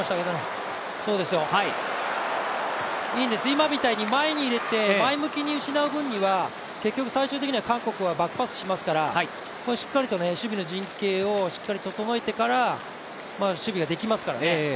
今みたいに前に入れて、前向きに失う分には、最終的には韓国はバックパスしますから、しっかりと守備の陣形を整えてから守備ができますからね。